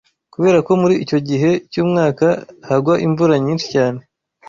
kubera ko muri icyo gihe cy’umwaka hagwa imvura nyinshi cyane